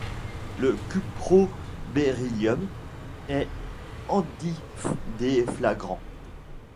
Le cuprobéryllium est antidéflagrant.